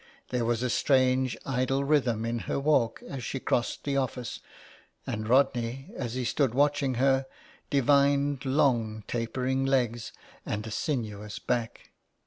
There was a strange idle rhythm in her walk as she crossed the office, and Rodney, as he stood watching her, divined long tapering legs and a sinuous back.